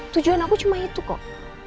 tujuan aku cuma itu kok